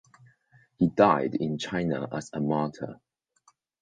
He died in China as a martyr.